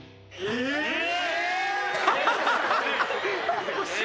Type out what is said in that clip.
えっ！？